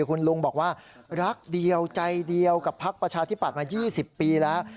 คุณลุงบอกว่ารักเดียวใจเดียวกับพักประชาธิบัติมา๒๐ปีแล้ว